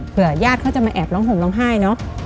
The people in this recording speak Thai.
ญาติเขาจะมาแอบร้องห่มร้องไห้เนอะ